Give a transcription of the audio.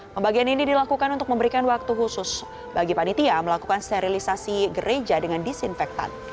pembagian ini dilakukan untuk memberikan waktu khusus bagi panitia melakukan sterilisasi gereja dengan disinfektan